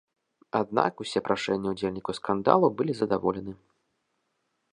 Аднак усе прашэнні ўдзельнікаў скандалу былі задаволены.